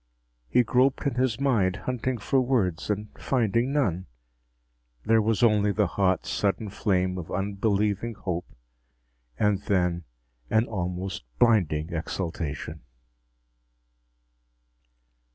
He groped in his mind, hunting for words, and finding none. There was only the hot, sudden flame of unbelieving hope. And then an almost blinding exultation.